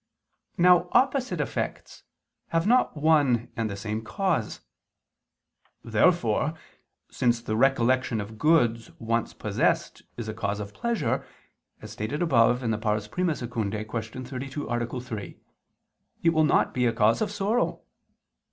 Now opposite effects have not one and the same cause. Therefore, since the recollection of goods once possessed is a cause of pleasure, as stated above (I II, Q. 32, A. 3) it will not be a cause of sorrow.